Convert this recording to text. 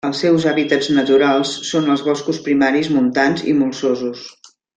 Els seus hàbitats naturals són els boscos primaris montans i molsosos.